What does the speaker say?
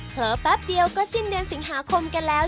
แป๊บเดียวก็สิ้นเดือนสิงหาคมกันแล้ว